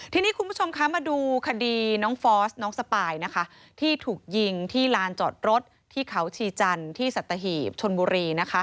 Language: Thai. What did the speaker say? ทีนี้คุณผู้ชมคะมาดูคดีน้องฟอสน้องสปายที่ถูกยิงที่ลานจอดรถที่เขาชีจันทร์ที่สัตหีบชนบุรี